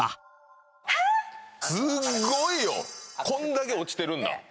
こんだけ落ちてるんだ。